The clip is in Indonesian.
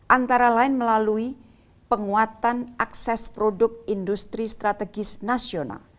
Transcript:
antara lain melalui penguatan akses produk industri strategis nasional